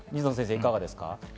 いかがですか？